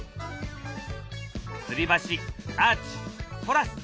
つり橋アーチトラス。